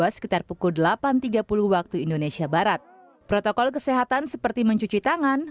sekitar pukul delapan tiga puluh waktu indonesia barat protokol kesehatan seperti mencuci tangan